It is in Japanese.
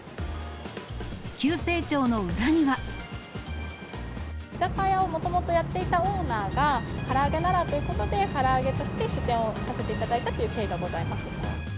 急成長の裏に居酒屋をもともとやっていたオーナーが、から揚げならということで、から揚げとして出店をさせていただいたという経緯がございます。